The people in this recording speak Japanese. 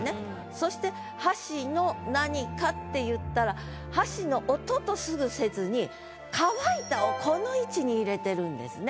そして「箸の」何かっていったら「乾いた」をこの位置に入れてるんですね。